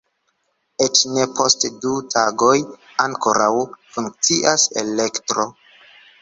Eĉ ne post du tagoj ankoraŭ funkcias elektro.